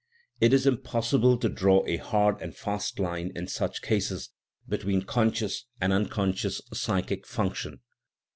It is impossible to draw a hard and fast line in such cases between conscious and unconscious psychic function.